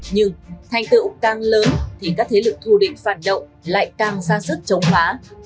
nhưng thành tựu càng lớn thì các thế lực thù định phản động lại càng xa sức chống phá